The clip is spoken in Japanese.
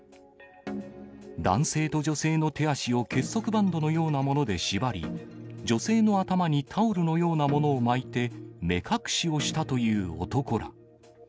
男性と女性の手足を結束バンドのようなもので縛り、女性の頭にタオルのようなものを巻いて、目隠しをしたという男ら。